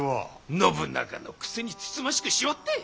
信長のくせにつつましくしおって！